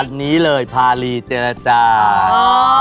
วันนี้เลยพารีเจรจา